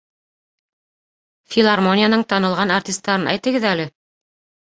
Филармонияның танылған артистарын әйтегеҙ әле.